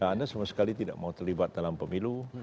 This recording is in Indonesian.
anda sama sekali tidak mau terlibat dalam pemilu